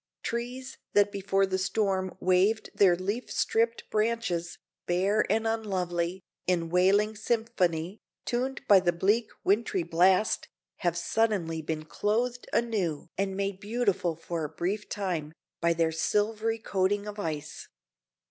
Trees that before the storm waved their leaf stripped branches, bare and unlovely, in wailing symphony, tuned by the bleak wintry blast, have suddenly been clothed anew and made beautiful for a brief time, by their silvery coating of ice.